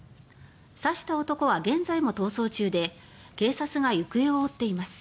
刺した男は現在も逃走中で警察が行方を追っています。